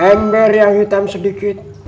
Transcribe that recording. ember yang hitam sedikit